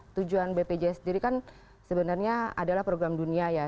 tujuan bpjs sendiri kan sebenarnya adalah program dunia ya